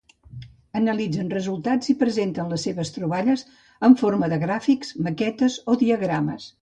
Analitzen resultats i presenten les seves troballes en forma de gràfics, maquetes o diagrames.